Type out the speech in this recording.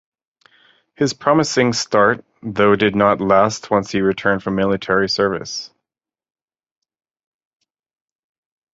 His promising start, though, did not last once he returned from military service.